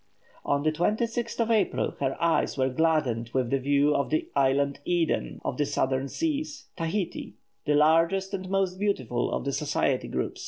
On the 26th of April, her eyes were gladdened with a view of the "island Eden" of the Southern seas, Tahiti, the largest and most beautiful of the Society group.